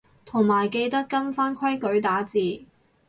同埋記得跟返規矩打字